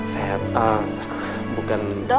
saya bukan bukan